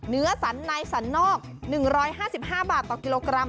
เนื้อสันในสรรนอก๑๕๕บาทต่อกิโลกรัม